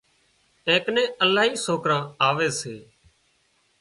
اين ڪنين الاهي سوڪريون آوي سي